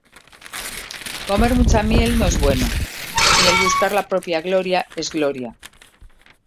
Comer mucha miel no es bueno: Ni el buscar la propia gloria es gloria.